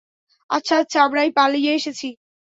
আচ্ছা আচ্ছা, আমরাই পালিয়ে এসেছি।